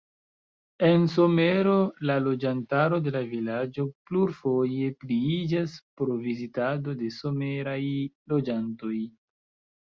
En somero la loĝantaro de la vilaĝo plurfoje pliiĝas pro vizitado de someraj loĝantoj.